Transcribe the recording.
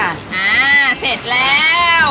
อ่าเสร็จแล้ว